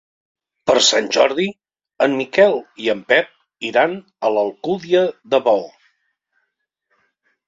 Per Sant Jordi en Miquel i en Pep iran a l'Alcúdia de Veo.